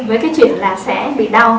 với cái chuyện là sẽ bị đau